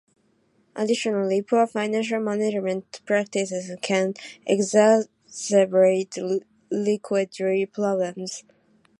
Additionally, poor financial management practices can exacerbate liquidity problems.